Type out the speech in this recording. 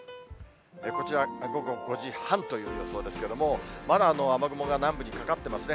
こちら午後５時半という予想ですけれども、まだ雨雲が南部にかかってますね。